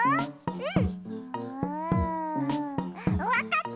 うん！